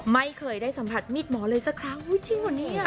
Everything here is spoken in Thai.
ไม่เคยได้สัมผัสมีดหมอเลยสักครั้งอุ้ยจริงเหรอเนี่ย